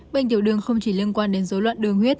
bệnh tiểu đường không chỉ liên quan đến dối loạn đường huyết